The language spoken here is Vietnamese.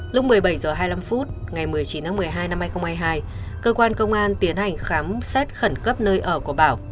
lúc một mươi bảy h hai mươi năm phút ngày một mươi chín tháng một mươi hai năm hai nghìn hai mươi hai cơ quan công an tiến hành khám xét khẩn cấp nơi ở của bảo